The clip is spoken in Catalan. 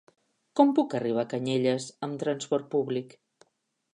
Com puc arribar a Canyelles amb trasport públic?